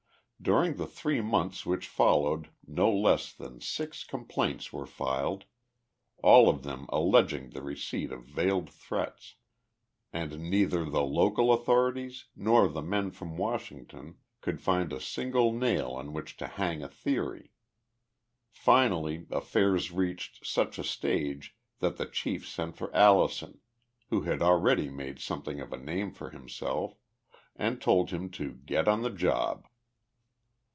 During the three months which followed no less than six complaints were filed, all of them alleging the receipt of veiled threats, and neither the local authorities nor the men from Washington could find a single nail on which to hang a theory. Finally affairs reached such a stage that the chief sent for Allison, who had already made something of a name for himself, and told him to get on the job.